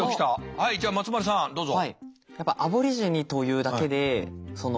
はいじゃあ松丸さんどうぞ。